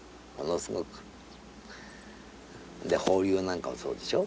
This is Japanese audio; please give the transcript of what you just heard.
放流なんかもそうでしょ？